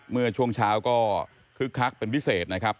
เมื่อช่วงเช้าก็คึกคักเป็นพิเศษนะครับ